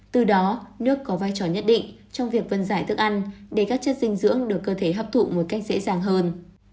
từ đó nước có vai trò nhất định trong việc vân giải thức ăn để các chất dinh dưỡng được cơ thể hấp thụ một cách dễ dàng hơn